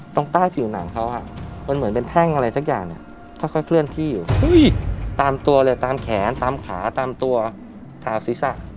ตรงใต้ผิวหนังเขามันเหมือนเป็นแท่งอะไรสักอย่างเนี่ยค่อยเคลื่อนที่อยู่ตามตัวเลยตามแขนตามขาตามตัวตามศีรษะ